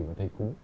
và thầy cúng